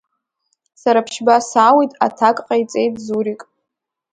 Сара ԥшьба сауит, аҭак ҟаиҵеит Зурик.